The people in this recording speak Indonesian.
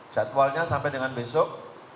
jadwalnya sampai dengan besok